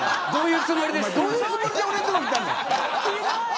どういうつもりで俺のとこ来たんだよと。